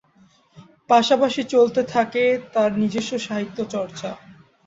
পাশাপাশি চলতে থাকে তার নিজস্ব সাহিত্য চর্চা।